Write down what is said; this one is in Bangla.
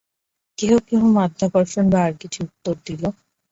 কেহ কেহ মাধ্যাকর্ষণ বা আর কিছু উত্তর দিল।